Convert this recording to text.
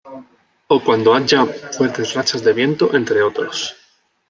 O cuando haya fuertes rachas de viento, entre otros.